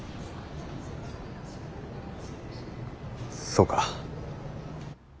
そうか。